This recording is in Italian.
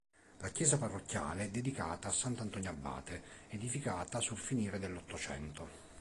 La chiesa parrocchiale è dedicata a Sant'Antonio Abate edificata sul finire dell'ottocento.